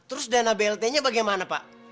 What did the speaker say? terus dana blt nya bagaimana pak